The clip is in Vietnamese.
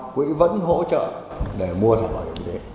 quỹ vẫn hỗ trợ để mua thẻ bảo hiểm y tế